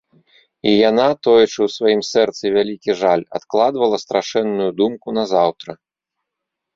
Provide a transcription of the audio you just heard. І яна, тоячы ў сваім сэрцы вялікі жаль, адкладвала страшэнную думку на заўтра.